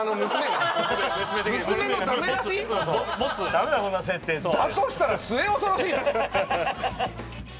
だとしたら末恐ろしいよ！